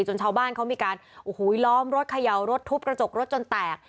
ชาวบ้านเขามีการโอ้โหล้อมรถเขย่ารถทุบกระจกรถจนแตก